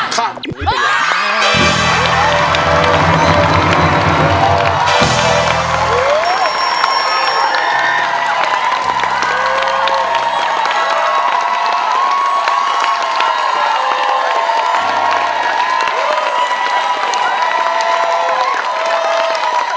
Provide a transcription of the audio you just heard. ค่า